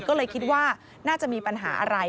ก็เลยคิดว่าน่าจะมีปัญหาอะไร